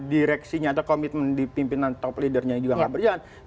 direksinya atau komitmen di pimpinan top leadernya juga nggak berjalan